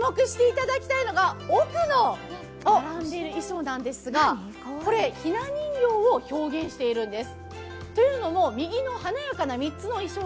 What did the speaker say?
そして注目していただきたいのが奥の並んでいる衣装なんですが、ひな人形を表現しているんです。